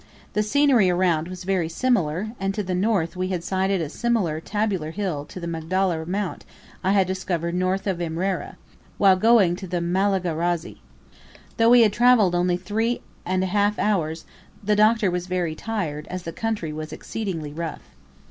The scenery around was very similar, and to the north we had cited a similar tabular hill to the "Magdala" Mount I had discovered north of Imrera, while going to the Malagarazi. Though we had only travelled three and a half hours the Doctor was very tired as the country was exceedingly rough.